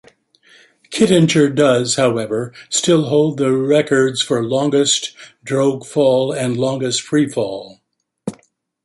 Kittinger does, however, still hold the records for longest drogue fall and longest freefall.